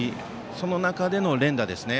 その中での連打ですね。